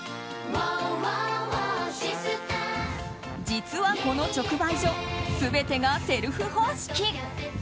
実はこの直売所全てがセルフ方式。